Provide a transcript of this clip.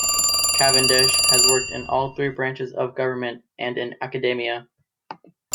Cavendish has worked in all three branches of government and in academia.